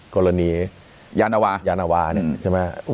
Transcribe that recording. กรณียานาวายานาวาเนี่ยใช่ไหม